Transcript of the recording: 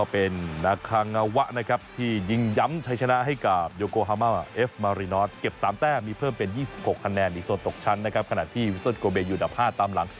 เป็นยี่สิบหกแนนอีกสองตกชั้นนะครับขณะที่วิเศษโกเบอยู่ดับห้าตามหลัง